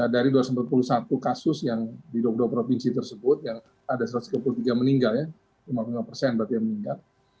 dari dua ratus empat puluh satu kasus yang di dua puluh dua provinsi tersebut yang ada satu ratus dua puluh tiga meninggal ya lima puluh lima persen berarti yang meninggal